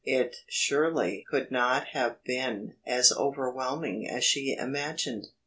It surely could not have been as overwhelming as she imagined.